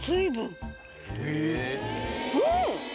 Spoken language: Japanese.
うん！